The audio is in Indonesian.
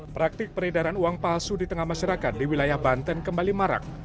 praktik peredaran uang palsu di tengah masyarakat di wilayah banten kembali marak